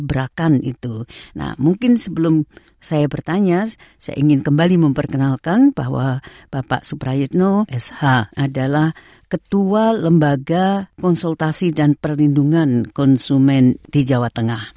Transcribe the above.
bapak suprayitno sh adalah ketua lembaga konsultasi dan perlindungan konsumen di jawa tengah